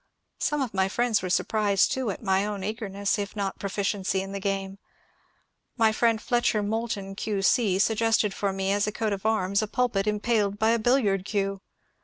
Some of my friends were surprised too at my own eagerness if not pro ficiency in the game. My friend Fletcher Moulton Q. C. suggested for me as a coat of arms a pidpit impaled by a bil liard cue.